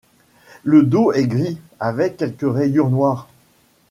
Le dos est gris, avec quelques rayures noires.